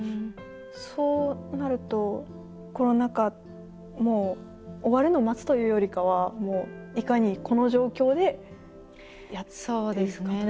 そうなるとコロナ禍もう終わるのを待つというよりかはいかにこの状況でやっていくかという。